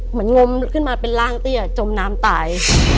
เหมือนงมขึ้นมาเป็นร่างตี้อะจมน้ำตาย